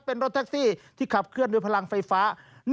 เป็นรถแท็กซี่ที่ขับเคลื่อนด้วยพลังไฟฟ้า